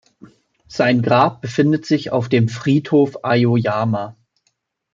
Sein Grab befindet sich auf dem Friedhof Aoyama.